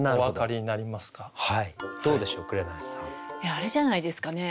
あれじゃないですかね。